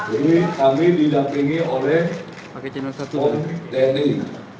ini kami didampingi oleh pung tni